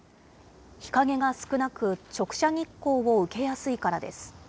日陰が少なく、直射日光を受けやすいからです。